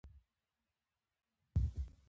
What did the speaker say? افغانستان د زغال په برخه کې نړیوال شهرت لري.